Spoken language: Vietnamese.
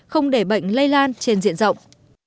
không để bệnh lây lan trên diện rộng